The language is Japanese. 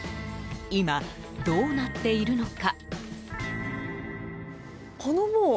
今、どうなっているのか？